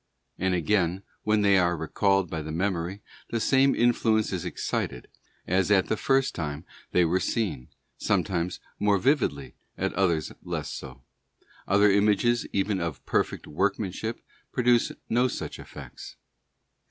And again, when they are recalled by the memory, the same influence is excited as at the first time they were seen, sometimes more vividly, at others less so; other images even of more perfect workmanship produce no such effects.